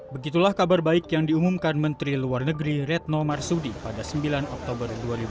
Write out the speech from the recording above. begitulah kabar baik yang diumumkan menteri luar negeri retno marsudi pada sembilan oktober dua ribu dua puluh